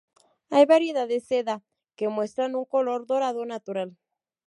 Hay variedades de seda que muestran un color dorado natural.